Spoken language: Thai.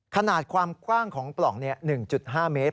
ขนาดความกว้างของปล่อง๑๕เมตร